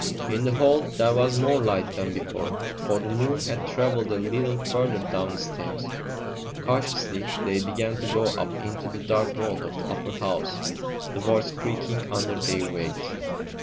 In the hall there was more light than before, for the moon had travelled a little further down the stairs. Cautiously they began to go up into the dark vault of the upper house, the boards creaking under their weight.